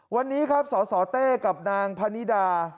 วันนี้ครับสสเต้กับนางพนิดา